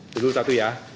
tentu satu ya